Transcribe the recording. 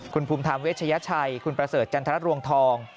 คุณภูมิธรรมเวชยชัยคุณประเสริฐจันทรรวงทอง